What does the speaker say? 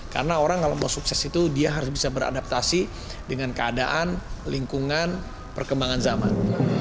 karena orang kalau mau sukses itu dia harus bisa beradaptasi dengan keadaan lingkungan perkembangan zaman